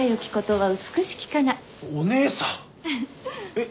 えっ？